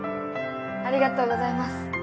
ありがとうございます。